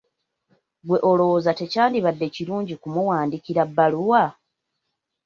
Ggwe olowooza tekyandibadde kirungi kumuwandiikira bbaluwa?